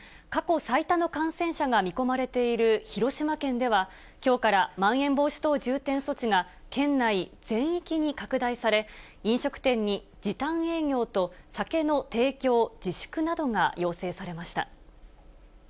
過去最多の感染者が見込まれている広島県では、きょうからまん延防止等重点措置が県内全域に拡大され、飲食店に時短営業と酒の提供自粛などが要請されました。